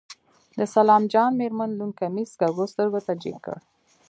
د سلام جان مېرمن لوند کميس کږو سترګو ته جګ کړ.